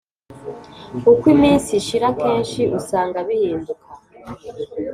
uko iminsi ishira kenshi usanga bihinduka